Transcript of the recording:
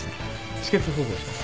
止血縫合します。